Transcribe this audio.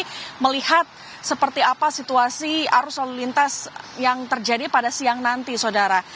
jadi melihat seperti apa situasi arus lalu lintas yang terjadi pada siang nanti sodara